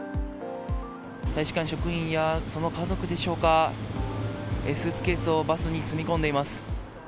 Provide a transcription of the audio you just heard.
大使館職員やその家族でしょうか、スーツケースをバスに積み込んでいます。